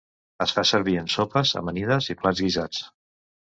Es fa servir en sopes, amanides i plats guisats.